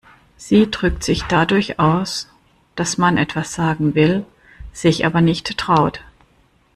Sie drückt sich dadurch aus, dass man etwas sagen will, sich aber nicht traut.